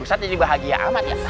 ustadz jadi bahagia amat ya